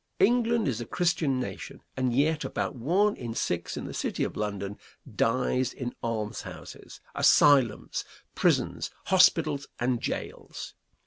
England is a Christian nation, and yet about one in six in the city of London dies in almshouses, asylums, prisons, hospitals and jails.